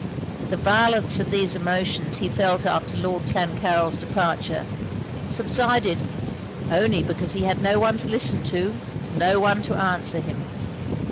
The violence of those emotions he felt after Lord Clancarryl's departure, subsided only because he had no one to listen to, no one to answer him.